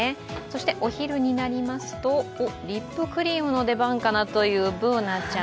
お昼になりますとリップクリームの出番かなというＢｏｏｎａちゃん。